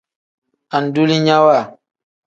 Andulinyawa.